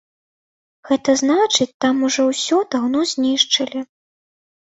Гэта значыць, там ужо ўсё даўно знішчылі.